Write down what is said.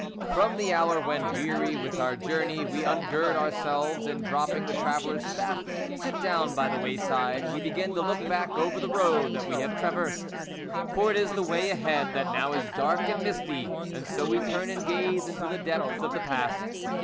From the hour when, weary with our journey, we ungird ourselves, and dropping the traveller's staff, sit down by the way side, we begin to look back over the road that we have traversed ; for it is the way ahead that now is dark and misty, and so we turn and gaze into the depths of the past.